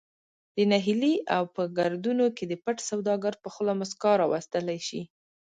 د نهیلي او په گردونو کی د پټ سوداگر په خوله مسکا راوستلې شي